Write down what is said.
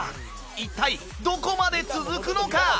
一体どこまで続くのか？